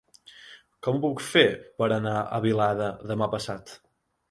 Com ho puc fer per anar a Vilada demà passat?